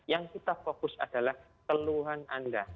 yang kita fokus adalah keluhan anda